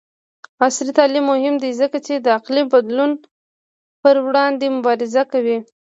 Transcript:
عصري تعلیم مهم دی ځکه چې د اقلیم بدلون پر وړاندې مبارزه کوي.